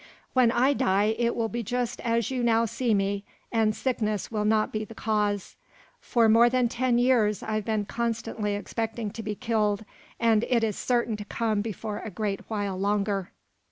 When I die it will be just as you now see me, and sickness will not be the cause. For more than ten years I've been constantly expecting to be killed, and it is certain to come before a great while longer."